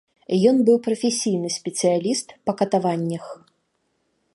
Ён быў прафесійны спецыяліст па катаваннях.